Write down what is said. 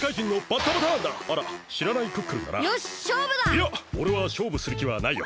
いやおれはしょうぶするきはないよ。